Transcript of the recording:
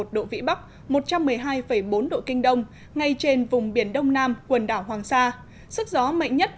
một độ vĩ bắc một trăm một mươi hai bốn độ kinh đông ngay trên vùng biển đông nam quần đảo hoàng sa sức gió mạnh nhất